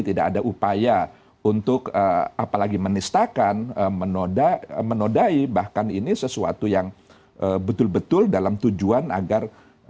tidak ada upaya untuk apalagi menistakan menodai bahkan ini sesuatu yang betul betul dalam tujuan agar